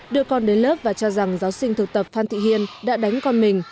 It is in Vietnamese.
đưa con đến lớp và cho rằng giáo sinh thực tập phan thị hiên đã đánh con mình